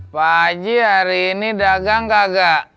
pak haji hari ini dagang gagak